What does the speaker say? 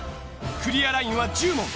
クリアラインは１０問。